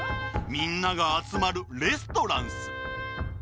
みんながあつまるレストランっす。